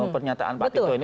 pernyataan pak tito ini